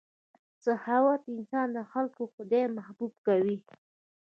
سخاوت انسان د خلکو او خدای محبوب کوي.